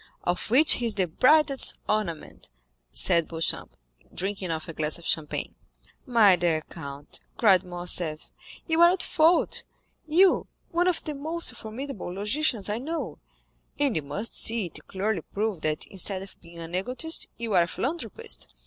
"Of which he is the brightest ornament," said Beauchamp, drinking off a glass of champagne. "My dear count," cried Morcerf, "you are at fault—you, one of the most formidable logicians I know—and you must see it clearly proved that instead of being an egotist, you are a philanthropist.